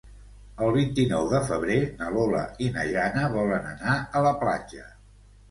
El vint-i-nou de febrer na Lola i na Jana volen anar a la platja.